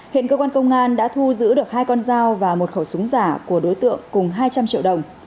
hiện cơ quan công an đã thu giữ được hai con dao và một khẩu súng giả của đối tượng cùng hai trăm linh triệu đồng